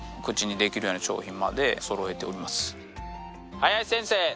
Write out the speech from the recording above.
林先生